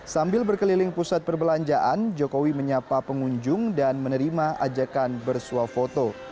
sambil berkeliling pusat perbelanjaan jokowi menyapa pengunjung dan menerima ajakan bersuah foto